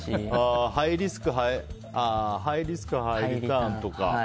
ハイリスクハイリターンとか。